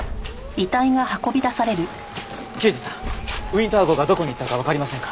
刑事さんウィンター号がどこに行ったかわかりませんか？